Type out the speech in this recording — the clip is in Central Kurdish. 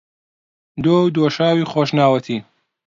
دۆ و دۆشاوی خۆشناوەتی